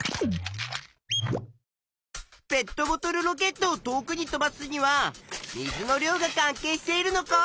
ペットボトルロケットを遠くに飛ばすには「水の量が関係しているのか」